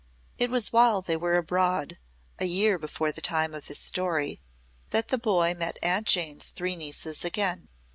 It was while they were abroad, a year before the time of this story, that the boy met Aunt Jane's three nieces again.